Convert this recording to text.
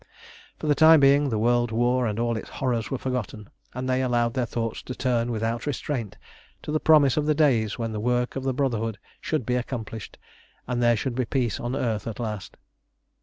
For the time being the world war and all its horrors were forgotten, and they allowed their thoughts to turn without restraint to the promise of the days when the work of the Brotherhood should be accomplished, and there should be peace on earth at last.